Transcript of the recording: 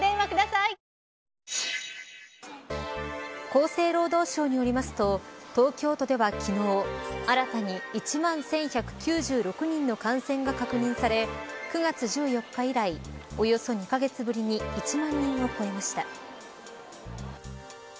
厚生労働省によりますと東京都では昨日新たに１万１１９６人の感染が確認され９月１４日以来およそ２カ月ぶりに１万人を超えました。